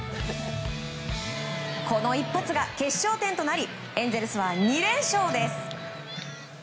この一発が決勝点となりエンゼルスは２連勝です。